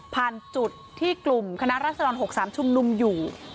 ผ่านจุดที่กลุ่มคณะรัศดร๖๓ชุมนุมอยู่